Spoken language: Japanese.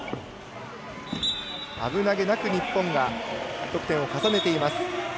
危なげなく日本が得点を重ねています。